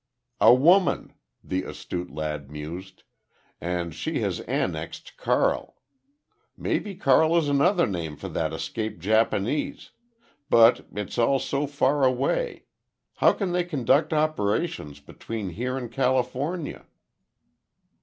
"A woman," the astute lad mused, "and she has annexed Carl. Maybe Carl is another name for that escaped Japanese. But it's all so far away. How can they conduct operations between here and California!"